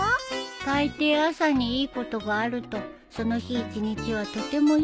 たいてい朝にいいことがあるとその日一日はとてもいい日になるんだ。